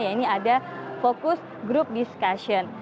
ya ini ada fokus group discussion